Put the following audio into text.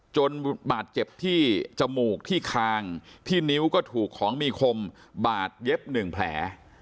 จนบาดเจ็บที่จมูกที่คางที่นิ้วก็ถูกของมีคมบาดเย็บ๑แผล